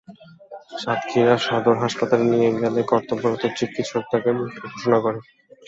সাতক্ষীরা সদর হাসপাতালে নিয়ে গেলে কর্তব্যরত চিকিৎসক তাঁকে মৃত ঘোষণা করেন।